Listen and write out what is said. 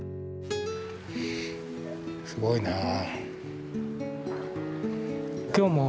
すごいなあ。